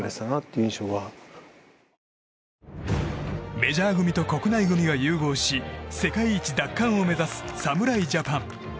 メジャー組と国内組が融合し世界一奪還を目指す侍ジャパン。